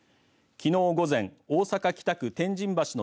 きのう午前、大阪、北区天神橋の